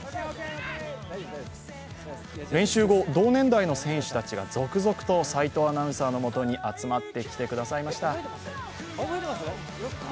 練習後、同年代の選手たちが、続々と齋藤アナウンサーのもとに集まってきてくださいました。